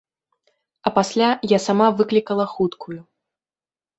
А пасля я сама выклікала хуткую.